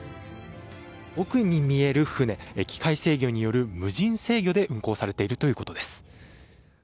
奥に見える船機械制御による無人制御で運航されているということです。